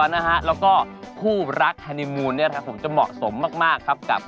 ตามแอฟผู้ชมห้องน้ำด้านนอกกันเลยดีกว่าครับ